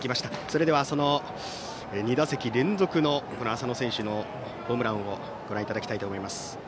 それでは、２打席連続の浅野選手のホームランをご覧いただきたいと思います。